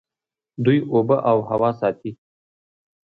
دوی اوبه او هوا ساتي.